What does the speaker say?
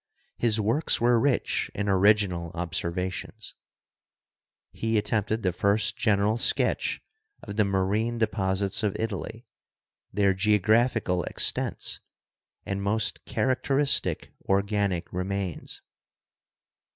His works were rich in original observations. He attempted the first general sketch of the marine deposits of Italy, their geographical extents and most GEOLOGY AND THE CHURCH 47 characteristic organic remains.